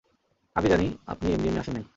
আমি জানি আপনি এমনি এমনি আসেন নাই।